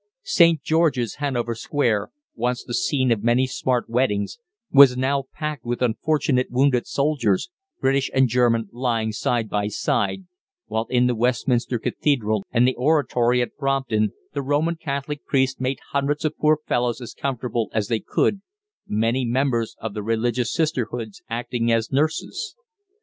St. George's, Hanover Square, once the scene of many smart weddings, was now packed with unfortunate wounded soldiers, British and German lying side by side, while in the Westminster Cathedral and the Oratory at Brompton the Roman Catholic priests made hundreds of poor fellows as comfortable as they could, many members of the religious sisterhoods acting as nurses.